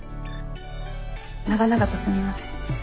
長々とすみません。